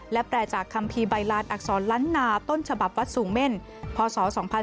และแปลจากคัมภีร์ใบลานอักษรล้านนาต้นฉบับวัดสูงเม่นพศ๒๕๕๙